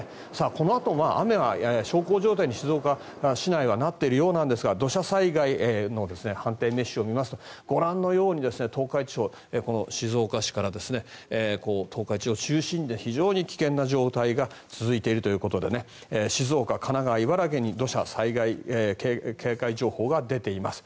このあと、雨は小康状態に静岡市内はなっているようなんですが土砂災害の判定を見ますと御覧のように東海地方静岡市から東海地方中心に非常に危険な状態が続いているということで静岡、神奈川、茨城に土砂災害警戒情報が出ています。